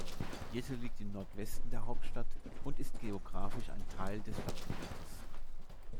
Jette liegt im Nordwesten der Hauptstadt und ist geographisch ein Teil des Stadtgebietes.